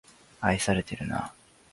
愛されてるな